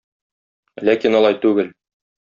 Ләкин алай түгел.